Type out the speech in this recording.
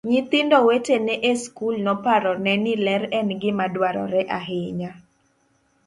Nyithindo wetene e skul noparone ni ler en gima dwarore ahinya.